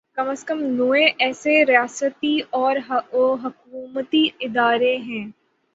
کم از کم نوے ایسے ریاستی و حکومتی ادارے ہیں